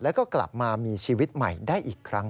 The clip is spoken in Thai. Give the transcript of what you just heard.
แล้วก็กลับมามีชีวิตใหม่ได้อีกครั้ง